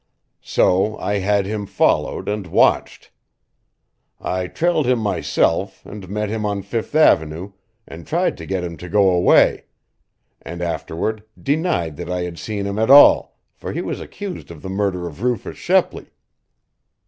"So I had him followed and watched. I trailed him myself and met him on Fifth Avenue, and tried to get him to go away, and afterward denied that I had seen him at all, for he was accused of the murder of Rufus Shepley."